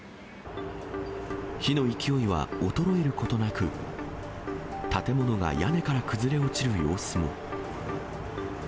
火の勢いは衰えることなく、建物が屋根から崩れ落ちる様子も。